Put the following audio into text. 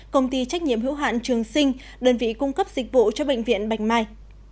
công ty trách nhiệm hữu hạn trường sinh đơn vị cung cấp dịch vụ cho bệnh viện bạch mai